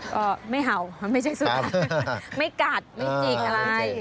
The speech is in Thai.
ก็ไม่เห่ามันไม่ใช่สุดท้ายไม่กัดไม่จิกอะไร